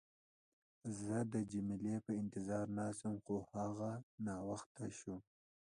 زه د جميله په انتظار ناست وم، خو هغه ناوخته شوه.